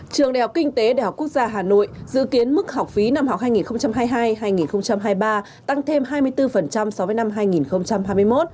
trường đại học kinh tế đại học quốc gia hà nội dự kiến mức học phí năm học hai nghìn hai mươi hai hai nghìn hai mươi ba tăng thêm hai mươi bốn so với năm hai nghìn hai mươi một